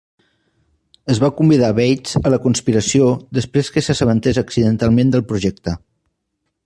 Es va convidar a Bates a la conspiració després que s'assabentés accidentalment del projecte.